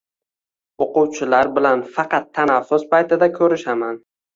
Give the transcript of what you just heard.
Oʻquvchilar bilan faqat tanaffus paytida ko’rishaman.